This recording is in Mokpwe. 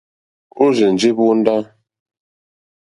Ó rzènjé hvóndá.